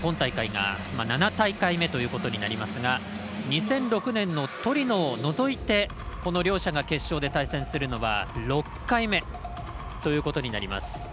今大会が７大会目となりますが２００６年のトリノを除いてこの両者が決勝で対戦するのは６回目となります。